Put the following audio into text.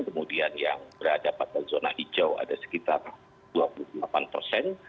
kemudian yang berada pada zona hijau ada sekitar dua puluh delapan persen